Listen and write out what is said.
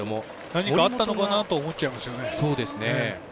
何かあったのかな？と思っちゃいますよね。